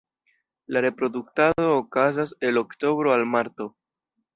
La reproduktado okazas el oktobro al marto.